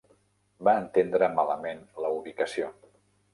Va entendre malament la ubicació.